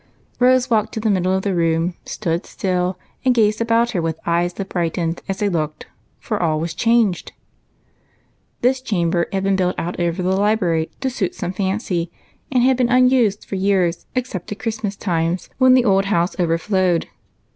Rose walked to the middle of the room, stood still, and gazed about her with eyes that brightened as they looked, for all was changed. This chamber had been built out over the library to suit some fancy, and had been unused for years, except at Christmas times, when the old house overflowed.